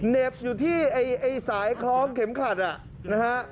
เห็บอยู่ที่ไอ้สายคล้องเข็มขัดนะฮะ